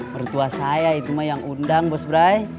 mertua saya itu mah yang undang bos brai